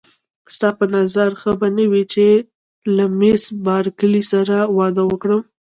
ستا په نظر ښه به نه وي چې له مېس بارکلي سره واده وکړم.